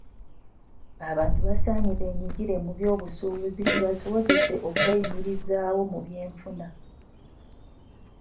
Abantu basaanye beenyigire mu by'obusuubuzi kibasobozese okweyimirizaawo mu by'enfuna.